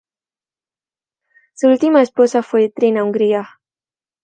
Su última esposa fue Trina Hungría.